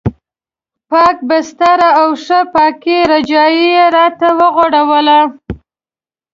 پاکه بستره او ښه پاکه رجایي یې راته وغوړوله.